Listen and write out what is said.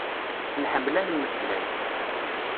Nḥemmel ad nmeslay.